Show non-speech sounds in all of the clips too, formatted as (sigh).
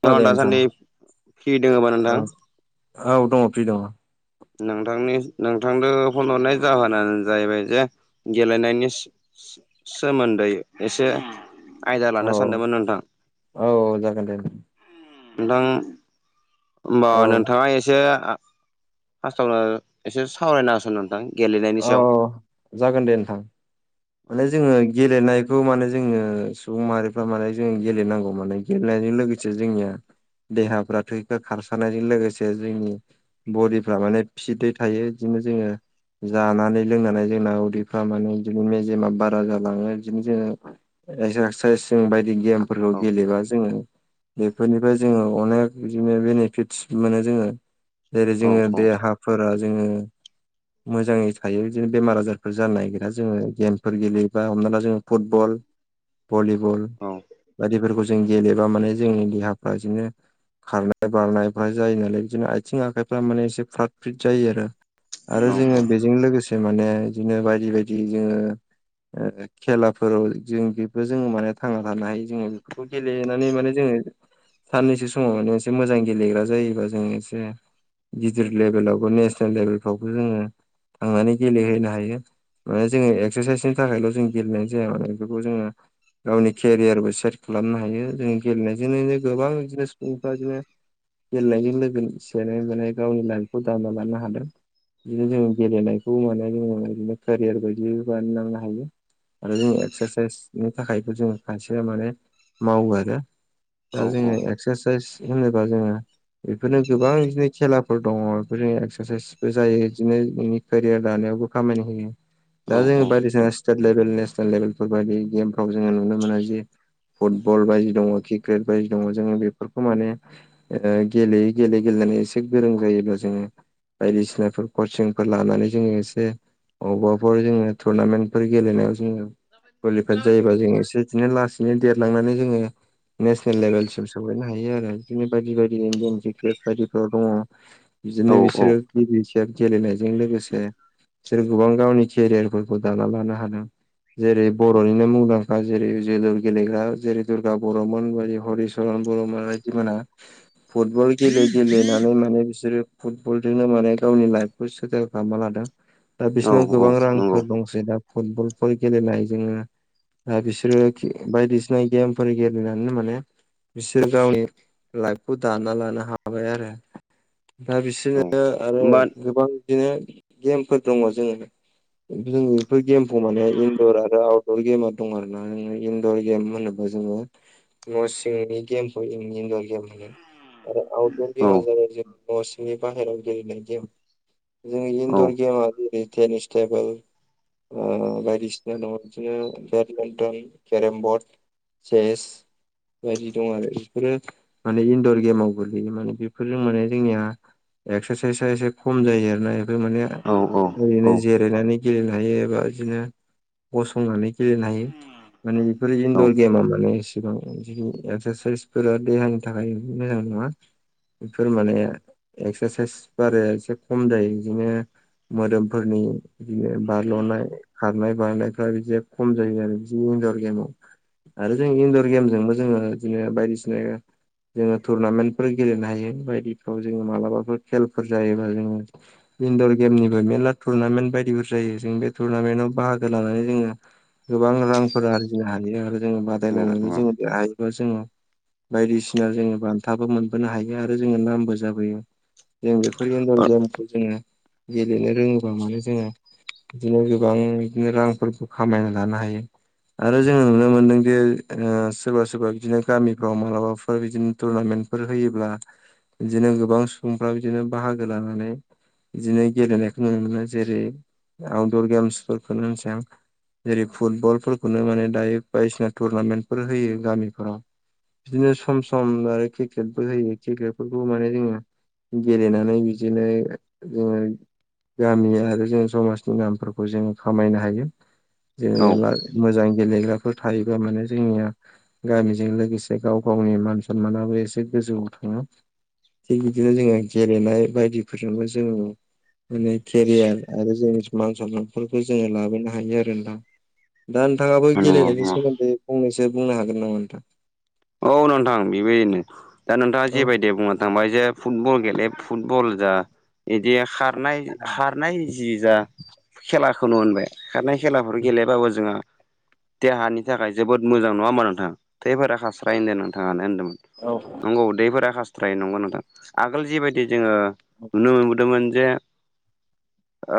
नोंथांङा खोनादों नोंथां दासान्दि फ्रि दङोमा औ नोंथां? औ दङ फ्रि दङ नोंथांनि नोंथांनो फन हरनाय जाहोनानो जाहैबाय जे गेलेनायनि सोमोन्दै एसे आयदा औ लानो सानदोंमोन नोंथां। औ जागोन दे नोंथां होनबा औ नोंथाङा एसे फार्स्टआवनो एसे सावरायना होसन नोंथां गेलेनायनि औ सायाव जागोन दे नोंथां। माने औ जोंङो गेलेनायखौ माने जोंङो सुबुं माहारिफ्रा माने जोंङो गेलेनांगौ माने गेलेनायजों लोगोसे जोंनिया देहाफ्रा थै खारसारानायजों लोगोसे जोंनि बडिफ्रा माने फिटै थायो बिदिनो जोंङो जानानै लोंनानै जोंना उदैफ्रा माने बिदिनो जेमा बारा जालाङो बिदिनो जोंङो एक्सेसाइस जों बायदि गेमफोरखौ गेलेबा जोंङो बेफोरनिफ्राय जोंङो अनेक बिदिनो बेनिफिटस मोनो जोंङो जेरै औ जोंङो औ देहा फोरा जोंङो मोजाङै थायो बिदिनो बेमार आजारफोर जानो नागिरा जोंङो गेम फोर गेलेयोबा हमनाला जोंङो फुटबल भलिबल औ बायदिफोरखौ जों गेलेबा माने जोंनि देहाफ्रा बिदिनो खारनाय बारनाय जायो नालाय बिदिनो आथिं आखाइफ्रा माने एसे फ्राद फ्रिट जायो आरो। आरो जोंङो बेजों लोगोसे माने बिदिनो बायदि बायदि जोंङो ओ खेलाफोराव जों बेबो जोंङो माने थांना थानो हायो जोंङो बेफोरखौ गेलेनानै माने जोंङो साननैसो समाव माने एसे मोजां गेलेग्रा जायोबा जों एसे गिदिर लेभेलावबो नेसनेल लेभेलफ्रावबो जोंङो थांनानै गेलेहैनो हायो माने जोंङो एक्सारसाइसनि थाखायल' जों गेलेनाय जाया बेखौ जोंङो गावनि केरियारबो सेट खालामनो हायो जों गेलेनायजोंनो गोबां बिदिनो सुबुंफ्रा बिदिनो गेलेनायजों लोगोसेनो गावनि लाइफखौ दांना लानो हादों। बिदिनो जों गेलेनायखौ मोनो जोंङो बिदिनो केरियार बायदि बानायलांनो हायो। आरो जों एक्सेसाइसनि थाखायबो जोंङो खायसेया माने मावो आरो। औ दा जोंङो एक्सारसाइस होनोबा जोंङो बेफोरनो गोबां बिदिनो खेलाफोर दंङ बेफोरनो एक्सेसाइसबो जायो बिदिनो नोंनि केरियार दानायावबो खामानि होयो। दा औ जोंङो बायदिसिना स्टेट लेभेल नेसनेल लेभेलफोर बायदि गेमफ्राव जोंङो नुनो मोनो जि फुटबल बायदि दंङ क्रिकेट बायदि दंङ जोंङो बेफोरखौ माने गेलेयै गेले गेलेनानै एसे गोरों जायोब्ला जोंङो बायदिसिनाफोर कचिंफोर लानानै जोंङो एसे अबा जोंङो टुरनामेन्टफोर गेलनायाव जोंङो कुवालिफाइद जायोबा जोंङो एसे बिदिनो लासैनो देरलांनानै जोंङो नेसनेल लेभेलसिम सहैनो हायो आरो बिदिनो बायदि बायदि इण्डियान क्रिकेट बायदिफोर दंङ औ बिदिनो बिसोरो गिबिखेब गेलेनायजों लोगोसे बिसोरो गोबां गावनि खेरियारफोरखौ दाना लानो हादों। जेरै बर'निनो मुंदांखा जेरै जुलुर गेलेग्रा जेरै दुर्गा बर'मोन बेबादि हरि बर' बायदि मोना फुटबल गेले गेलेनानै माने बिसोरो फुटबलजोंनो माने गावनि लाइफखौ सेटेल खालामना लादों। दा औ बिसोरनाव औ गोबां नंगौ रांफोर दंसै दा फुटबलफोर गेलेनाय जोंनो दा बिसोरो बायदिसिना गेमफोर गेलेनानै माने बिसोर गावनि लाइफखौ दाना लानो हाबाय आरो दा औ बिसोरो आरो होमबा गोबां बिदिनो गेमफोर दंङ जोंङो जों बेफोर गेमखौ माने इनदर आरो आउट गेमा दं आरोना इनदर गेम होनो जोंङो न सिंनि गेमखौ जों इनदर गेम होनो आरो आउटदर औ गेमा जाबाय जों न' सिंनि बाहेरायाव गेलेनाय गेम जोंनि औ इनन्दर गेमा जेरै टेनिस टेबोल ओ बायदिसिना दंङ बिदिनो बेडमिन्टन केरेम बरड चेस बायदि दं आरो बेफोरो माने इन्दर गेमाव गोलैयो माने बेफोरजों माने जोंनिया एक्सेसाइसआ एसे खम जायो आरोना बेफोर माने औ ओरैनो औ जिरायनानै गेलेनो हायो एबा बिदिनो गसंनानै गेलेनो हायो। माने बेफोर औ इनन्दर गेमा माने इसेबां एक्सेसाइसफोरा देहानि थाखाय मोजां नङा। बेफोर माने एक्सारसाइस बाराया इसे खम जायो बिदिनो मोदोमफोरनि बिदिनो बारल'नाय खारनाय बारनायफ्रा बिदि खम जायो आरो बिदि इन्दर गेमाव। आरो जों इन्दर गेमजोंबो जोंङो बिदिनो बायदिसिना जोंङो टुरनामेन्टफोर गेलेनो हायो बायदिफ्राव जोंङो मालाबाफोर खेलफोर जायोबा जोंङो इन्दर गेमनिबो मेरला थुरनामेन्ट बायदिफोर जायो जों बे टुर्नामेन आव बाहागो लानानै जोंङो गोबां रांफोर आरजिनो हायो आरो। जोंङो बादायलायनानै जोंङो देरहायोबा जोंङो बायदिसिना जोंङो बान्थाबो मोनबोनो हायो आरो जोंङो नामबो जाबोयो जों बे इन्दर गेमखौ जोंङो गेलेनो रोंङोबा माने जोंङो बिदिनो गोबां बिदिनो रांफोरखौ खामायना लानो हायो। आरो जोंङो नुनो मोन्दोंदि सोरबा सोरबा बिदिनो गामिफ्राव मालाबाफोर बिदिनो टुरनामेन्ट फोर होयोब्ला बिदिनो गोबां सुबुंफ्रा बिदिनो बाहागो लानानै बिदिनो गेलेनायखौ नुनो मोनो। जेरै आउटदर गेम्स फोरखौनो होनसै आं जेरै फुटबलफोरखौनो माने दायो बायदिसिना टुरनामेन्टफोर होयो गामिफोराव। बिदिनो सम सम आरो क्रिकेटबो होयो क्रिकेटफोरखौ माने जोंङो गेलेनानै बिदिनो जोङो गामिया आरो जों समाजनि नामफोरखौ जोङो खामायनो हायो जोङो औ नंगौ मा मोजां गेलेग्रा फोर थायोबा माने जोंनिया गामिजों लोगोसे गाव गावनि मान सनमानाबो इसे गोजौआव थाङो। थिग बिदिनो जोङो गेलेनाय बायदिफोरजोंबो जोङो माने केरियार आरो जोंनि मान सनमानफोरखौ जोङो लाबोनो हायो आरो नोंथां। दा नोंथाङाबो गेलेनायनि नंगौ सोमोन्दै फंनैसो बुंनो हागोन नामा नोंथां? औ नोंथां बेबायदिनो दा नोंथाङा औ जेबायदि बुङोद थांबाय जे फुटबल गेले फुटबल जा इदिनाय खारनाय जि जा खेलाखौनो होनबाय खारनाय खेलाफोर गेलेबाबो जोंहा देहानि थाखाय जोबोद मोजां नङा ओमबा नोंथां थैफोरा खास्राय होनदों नोंथाङानो होन्दोंमोन। औ नोंगौ दैफोरा खारस्रायो नंगौ नोंथां आगोल जिबायदि जोङो नुनो मोनबोदोंमोन जे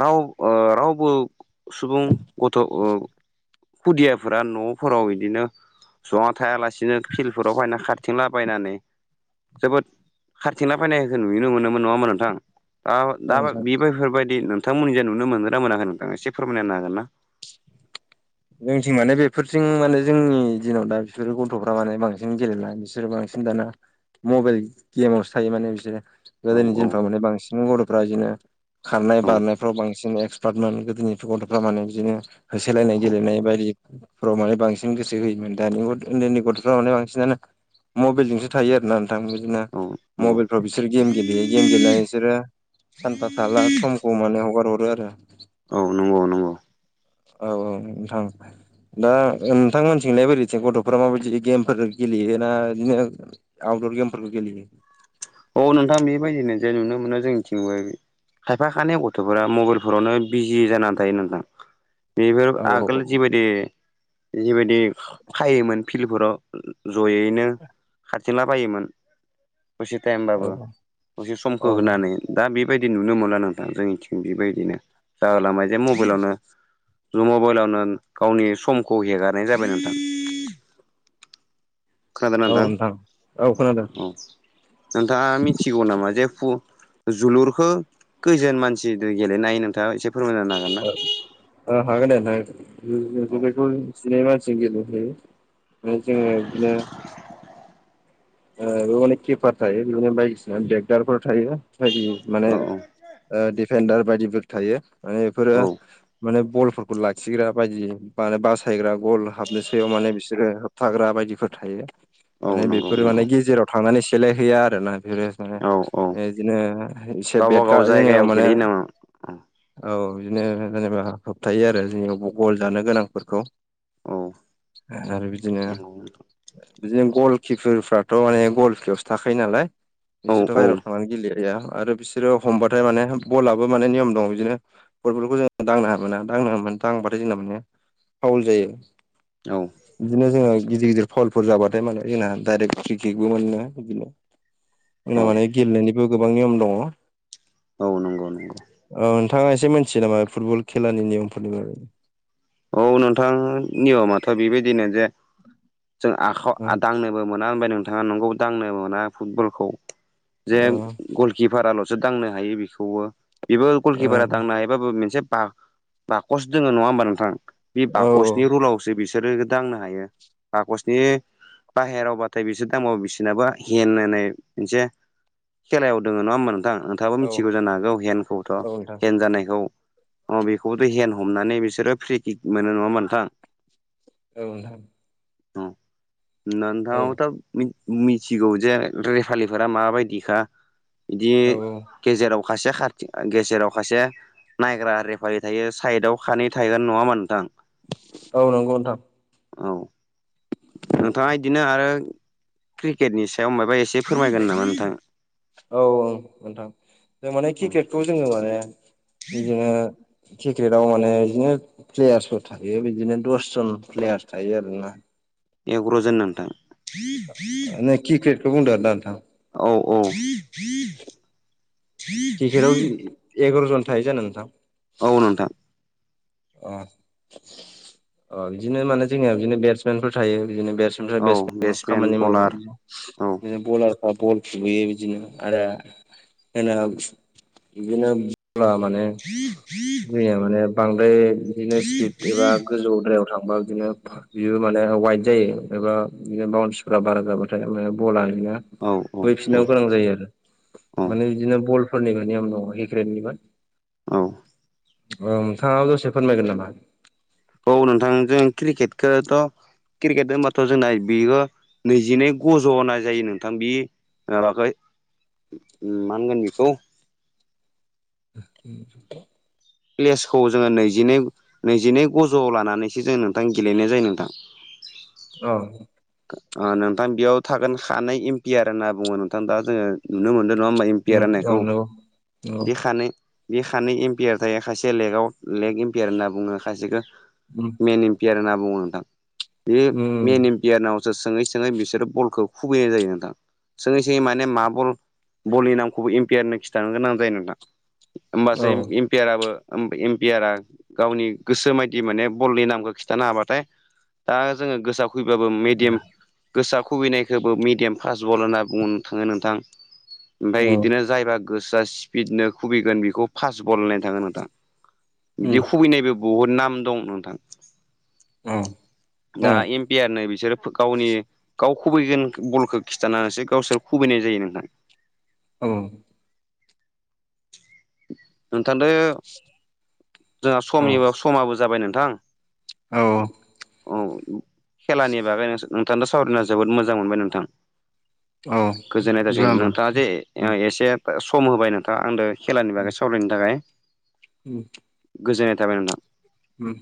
राव ओ रावबो सुबुं गथ' ओ खुदियाफोरा न'फोराव बिदिनो जना थायालासिनो फिल्डफोराव फायना खारथिंला बायनानै जोबोद खारथिंना फायनायखौ नुनो मोनोमोन नङा ओमबा नोंथां? (unintelligible) औ दा नोंथां बेफोफोरबायदि नोंथांमोननि जा नुनो मोनदोना मोनाखै नोंथां एसे फोरमायना होनो हागोन ना? जोंथिं माने बेफोरथिं माने जोंनि दिनाव दा बिसोरो गथ'फ्रा माने बांसिन गेलेला बिसोरो बांसिन दाना मबेल गेमावसो थायो माने बिसोरो। औ गोदोनि औ दिनफ्राव माने बांसिन गथ'फ्रा बिदिनो खारनाय औ बारनाय फ्राव बांसिन एक्सपार्टमोन गोदोनि गथ'फ्रा माने बिदिनो होसो लायनाय नाय बायदिफ्राव माने बांसिन गोसो होयोमोन दानि उन्दैनि गथ'फ्राव माने बांसिनानो मबेलजोंसो थायो आरोना? थां बिदिनो औ नंगौ मबाइलफ्राव बिसोर गेम गेलेयो गेम गेलेनानै बिसोरो सानफा थाला समखौ माने हगार हरो आरो औ नंगौ नंगौ। औ औ नोंथां। दा नोंथांमोनथिंलनाय बोरैथो गथ'फ्रा माबायदि गेमफोर गेलेयो ना बिदिनो आउटदर गेमफोरखौ गेलेयो? औ नोंथां बेबायदिनो जे नुनो मोनो जोंनिथिंबो खायफा खानै गथ'फोरा मबाइलफोरावनो बिजि जानानै थायो नोंथां। बेफोर औ आगोल औ जिबायदि जिबायदि फायोमोन फिल्डफोराव जयैनो खारथिंला बायोमोन टाइ औ होनबाबो एसे औ समखौ होनानै दा बेबायदि नुनो मोनला नोंथां जोंनिथिं बेबायदिनो जागला मबाय जे मबाइलावनो ज' मबाइलावनो गावनि समखौ हेगारनाय जाबाय नोंथां खोनादोंना औ नोंथां औ खोनादों नोंथां औ नोंथाङा मिथिगौ नामा जे पु जोलुरखो खैजोन मानसि गेलेनाय नोंथाङा एसे फोरमायनो हागोन ना ओ हागोन दे खोन्था गोन औ जुलुरखौ जिनै मानसि गेलेनो हायो आरो जोङो बिदिनो ओ बेयावनो किपार थायो बिदिनो बायदिसिना बेेगदारफोर थायो बायदि माने औ ओ दिफेन्दार बायदिबो थायो माने बेफोरो औ माने बलफोरखौ लाखिग्रा बायदि माने बासायग्रा गल हाबनो सायाव माने बिसोरो हाग्रा बायदिफोर थायो। औ नंगौ। बेफोरो माने नंगौ गेजेराव थांनानै सेलायहैया आरो ना बेफोरो ओ औ औ बिदिनो एसे गावबा बेट गाव गा जोंनियाव जायगायाव माने गेलेयो नामा औ औ बिदिनो जेनेबा होबथायो आरो जोंनियाव गल जानो गोनांफोरखौ औ औ आरो बिदिनो बिदिनो गल किकुरफ्राथ' माने गलफयावसो थाखायो नालाय औ बिसोरथ' बायेरायाव थांनानै गेलेया आरो बिसोरो हमबाथाय माने बलाबो माने नियम दं बिदिनो फुटबलखौ जोङो दांनो होना दांनो ह दांबाथाय जोंना माने फाउल जायो औ बिदिनो जोङो गिदिर गिदिर फाउलफोर जाबाथाय माने जोंना दडाइरेक्ट फ्रि किक्कबो मोनो बिदिनो औ जोंना माने गेलेनायनिबो गोबां नियम दङ औ नंगौ नंगौ औ नोंथाङा एसे मिथियो नामा फुटबल खेलानि नियमफोरनि बारै औ नोंथां नियमाथ' बेबायदिनो जे जों आखायाव दांनो बो मोना‌ होनबाय नोंथाङा नंगौ मोना फुटबलखौ जे ओ गुल किपाराल'सो दांनो हायो बेखौबो बेबो गलकिपारा दांनो हायो बाबो मोनसे बा बाकस दोङ नङा हबा नोंथां बे ओ बाकसनि रुलावसो बिसोर बिसोरो दांनो हायो बाखसनि बाहेरावबाथाय बिसोर दांबाबो बिसिनाबो हेन होननाय मोनसे खेलायाव दोङ नङा होमबा नोंथां नोंथाङाबो ओ मिथिगौ जानो हागौ हेन्दखौथ' औ हेन्द जानायखौ अ बेखौबोथ' हेन हमनानै बिसोरो फ्रि किक मोनो नङा होमबा नोंथां औ नोंथां औ औ नोंथाङा बोथ' मिथिगौ जे रेपालिफोरा माबायदिखा बिदि गेजेराव खासे खारथिं गेजेराव खासे नायग्रा रेफारि थायो साइदआव खानै थायगोन नङा होमबा नोंथां औ नंगौ नोंथां औ नोंथाङा बिदिनो आरो क्रिकेटनि सायाव माबा एसे फोरमायगोन नामा नोंथाङा औ औ नोंथां जों माने क्रिकेटखौ जोङो माने बिदिनो क्रिकेटाव माने बिदिनो प्लेयार्सफोर थायो बिदिनो दसजन प्लेयार्स थायो आरोना एग्र'जोन नोंथां नों क्रिकेटखौ बुंदों आरोना नोंथां औ औ (inaudible) क्रिकेटआव एगार'जन थायो जानो नोंथां? औ नोंथां। अ अ बिदिनो माने जोंनिया बिदिनो बेट्समेनफोर थायो बिदिनो बे्स बेफ्राय औ बे बेट्समेन खामानि मावो बलार औ बलारफ्रा बल‌खुबैया इदि आरो होन बिदिनो ब माने दैया माने बांद्राय बिदिनो स्पिड एबा गोजौद्रायाव थांबा बिदिनो बियो माने वाइट जायो एबा बि बाउन्सफोरा बारा जाबाथाय बला औ औ औ खुबैफिननांगौ गोनां जायो आरो औ माने बिदिनो बलफोरनियमनाव हेक्रेटनिबा औ औ नोंथाङा दसे फोरमायगोन नामा औ नोंथां जों क्रिकेटखौथ' क्रिकेट होनबाथ' जोंना बेयो नैजिनै गज' होननाय जायो नोंथां बे ओ बाखै मा होनगोन बेखौ (inaudible) प्लेसखौ जोङो नैजिनै नैजिनै गजौ लानानैसो जों नोंथां गेलेनाय जायो नोंथां। औ। नोंथां बेयाव थागोन हानाय एमपियार होनना बुङो नोंथां दा जोङो नुनो मोनदों नङा होमबा एमपियार उम औ राननायखौ, नंगौ नंगौ बेखानो बे सानै एम्पियार थायो सायसे लेगाव लेग एम्पियार होनना बुङो खसेखौ औ मेन प होनना बुङो नोंथां बे मेन बियारानावसो सोङै सोङै बिसोरो बलखौ खुगैनाय जायो नोंथां। सोङै सोङै माने माबल बलनि नामखौबो इम्पियारनो खिथानो गोनां जायो नोंथा। होनोमबास औ इम्पियाराबो इम्पियारा गावनि गोसो बायदि माने बलनि नामखौ खिन्थानो हाबाथाय दा जोङो गोसाब फैब्लााबो मिेडियाम गोसो खुबैनायखौबो मिडियाम फास्ट बल होनना बुंनो थाङो नोंथां। उम (unintelligible) बिदि उम खुबैनायबो बहुद नाम दं नोंथां। औ दा ै बिसोरो गावनि गाव खुबैगोन बलखौ खिन्थानानैसो गावसोर खुबैनाय जायो नोंथां। (inaudible) औ। नोंथां दो जोंहा औ समनिबो समाबो जाबाय नोंथां। औ। औ खेलानि बागै नोंथां सावरायना जोबोद मोजां मोनबाय नोंथां। औ गोजोननाय जाया जासिगोन होमबा नोंथाङा जे एसे सम होबाय नोंथां आंनो खेलानि बागै सावरायनो थाखाय। उम गोजोननाय थाबाय नोंथां। उम।